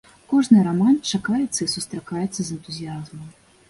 Кожны раман чакаецца і сустракаецца з энтузіязмам.